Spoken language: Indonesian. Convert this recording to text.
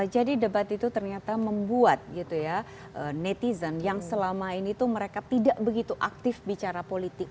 jadi debat itu ternyata membuat gitu ya netizen yang selama ini tuh mereka tidak begitu aktif bicara politik